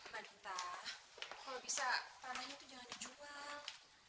kalau bisa tanahnya itu jangan dijual